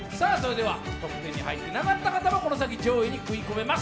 トップ１０に入っていなかった方もこの先、上位に食い込めます。